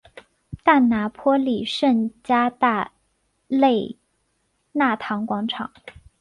大拿坡里圣加大肋纳堂广场。